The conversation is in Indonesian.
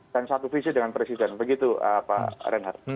dan satu visi dengan presiden begitu pak renhard